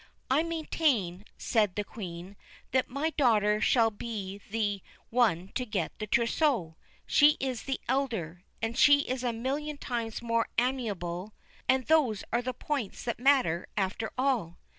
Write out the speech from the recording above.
' I maintain,' said the Queen, ' that my daughter shall be the one to get the trousseau ; she is the elder, and she is a million times more amiable, and those are the points that matter, after all.'